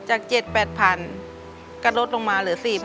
จาก๗๘๐๐๐ก็ลดลงมาเหลือ๔๐๐